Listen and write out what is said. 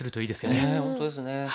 ねえ本当ですね。